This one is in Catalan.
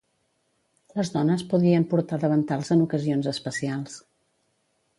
Les dones podien portar davantals en ocasions especials.